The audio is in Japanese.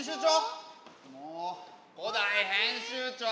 もう古代編集長！